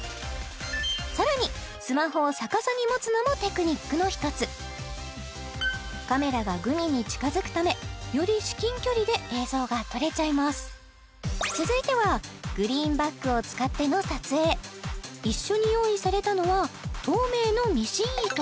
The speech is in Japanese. さらにスマホを逆さに持つのもテクニックの一つカメラがグミに近づくためより至近距離で映像が撮れちゃいます続いてはグリーンバックを使っての撮影一緒に用意されたのは透明のミシン糸